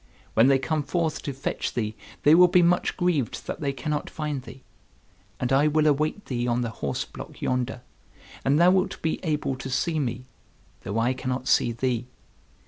When they come forth to fetch thee, they will be much grieved that they cannot find thee. And I will await thee on the horseblock yonder, and thou wilt be able to see me, though I cannot see thee.